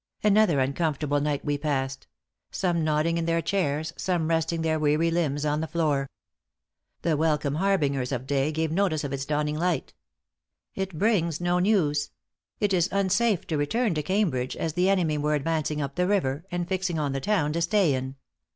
Another uncomfortable night we passed; some nodding in their chairs, some resting their weary limbs on the floor. The welcome harbingers of day gave notice of its dawning light. [It] brings no news. It is unsafe to return to Cambridge, as the enemy were advancing up the river, and fixing on the town to stay in.